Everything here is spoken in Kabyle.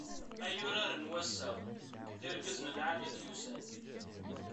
Ay urar n wass-a, d irgazen lɛali i d-yusan.